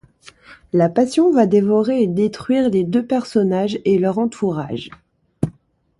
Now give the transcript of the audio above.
La passion va dévorer et détruire les deux personnages et leur entourage.